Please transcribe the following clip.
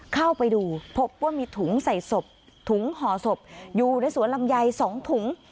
เข้าไปดูพบว่ามีถุงใส่ศพถุงห่อศพอยู่ในสวนลำไย๒ถุง